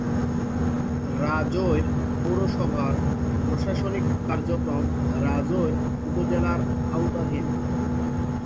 রাজৈর পৌরসভার প্রশাসনিক কার্যক্রম রাজৈর উপজেলার আওতাধীন।